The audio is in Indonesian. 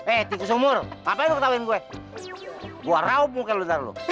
eh tikus umur apa yang ketahuin gue gua raup mungkin lu